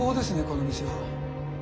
この店は。